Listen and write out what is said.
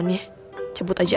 neng aku mau ke sana